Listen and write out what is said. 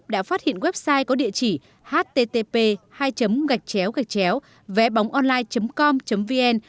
đã phát hiện website có địa chỉ http vébóngonline com vn